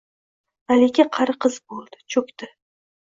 Malika qari qiz bo‘ldi, cho‘kdi…